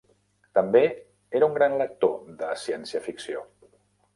També era un gran lector de ciència ficció.